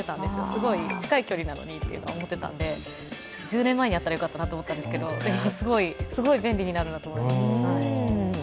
すごい近い距離なのにっていうのは思っていたので、１０年前にあったらよかったなと思ったんですけどすごい便利になるなと思います。